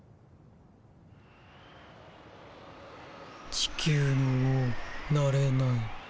地球の王なれない。